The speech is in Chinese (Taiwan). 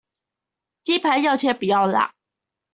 雞排要切不要辣